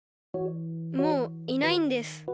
もういないんです。